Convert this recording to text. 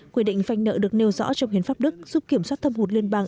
quy định phanh nợ được nêu rõ trong hiến pháp đức giúp kiểm soát thâm hụt liên bang